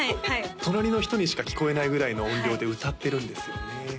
隣の人にしか聞こえないぐらいの音量で歌ってるんですよね